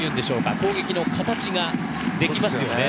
攻撃の形ができますよね。